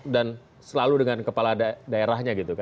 dan selalu dengan kepala daerahnya gitu kan